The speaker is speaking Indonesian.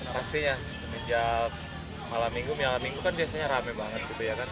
pastinya semenjak malam minggu malam minggu kan biasanya rame banget